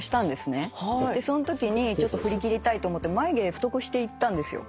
そのときに振り切りたいと思って眉毛太くして行ったんですよ。